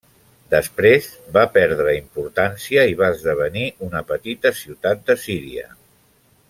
Després, va perdre importància i va esdevenir una petita ciutat de Síria.